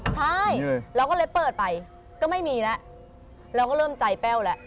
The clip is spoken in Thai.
ใช่เราก็เลยเปิดไปก็ไม่มีแล้วเราก็เริ่มใจแป้วแล้ว